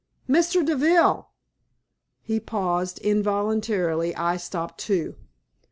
"Mr. Deville!" He paused. Involuntarily I stopped too.